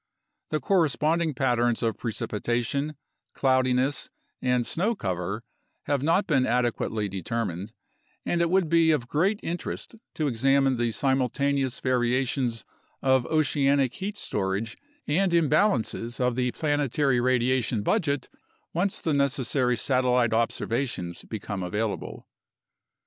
The corresponding patterns of pre cipitation, cloudiness, and snow cover have not been adequately deter mined, and it would be of great interest to examine the simultaneous variations of oceanic heat storage and imbalances of the planetary radia tion budget, once the necessary satellite observations become available.